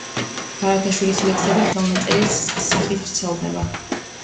ბარათაშვილის ლექსები ხელნაწერის სახით ვრცელდებოდა.